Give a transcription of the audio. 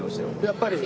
やっぱり？